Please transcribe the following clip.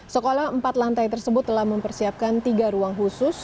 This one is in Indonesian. sekolah empat lantai tersebut telah mempersiapkan tiga ruang khusus